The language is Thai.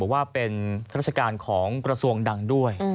ว่าเป็นราชการของกระทรวงดังด้วย